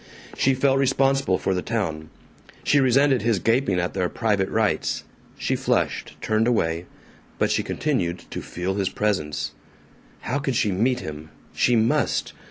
She felt responsible for the town. She resented his gaping at their private rites. She flushed, turned away. But she continued to feel his presence. How could she meet him? She must!